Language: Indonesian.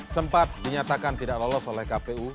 sempat dinyatakan tidak lolos oleh kpu